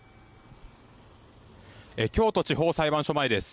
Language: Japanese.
京都地方裁判所前です。